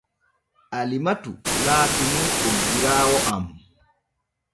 Alimatu laati nun oggiraawo am.